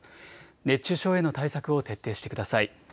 熱中症への対策を徹底してください。